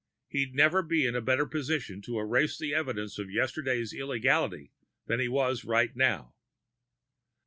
He'd never be in a better position to erase the evidence of yesterday's illegality than he was right now.